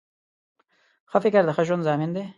ښه فکر د ښه ژوند ضامن دی